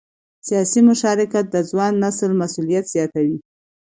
سیاسي مشارکت د ځوان نسل مسؤلیت زیاتوي